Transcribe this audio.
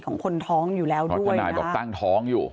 ของคนท้องอยู่แล้วด้วยเพราะนายบอกตั้งท้องอยู่